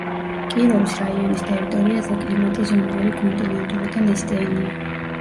კიროვის რაიონის ტერიტორიაზე კლიმატი ზომიერი კონტინენტური და ნესტიანია.